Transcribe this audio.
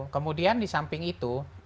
kemudian di samping itu